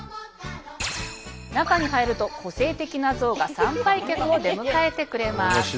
中に入ると個性的な像が参拝客を出迎えてくれます。